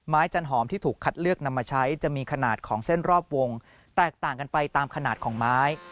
จันหอมที่ถูกคัดเลือกนำมาใช้จะมีขนาดของเส้นรอบวงแตกต่างกันไปตามขนาดของไม้